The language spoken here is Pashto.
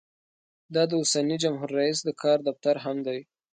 دا د اوسني جمهور رییس د کار دفتر هم دی.